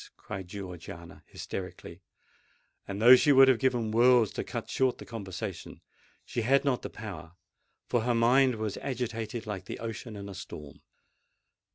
cried Georgiana hysterically; and though she would have given worlds to cut short the conversation, she had not the power—for her mind was agitated like the ocean in a storm.